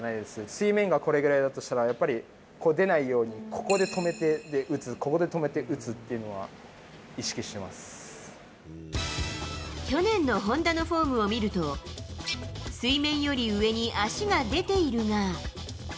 水面がこれぐらいだとしたら、やっぱりこう出ないように、ここで止めて打つ、ここで止めて去年の本多のフォームを見ると、水面より上に足が出ているが。